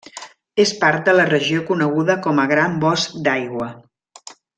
És part de la regió coneguda com a Gran Bosc d'aigua.